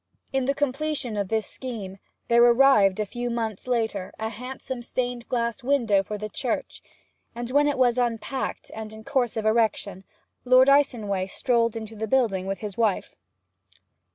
In the completion of this scheme there arrived a few months later a handsome stained glass window for the church; and when it was unpacked and in course of erection Lord Icenway strolled into the building with his wife.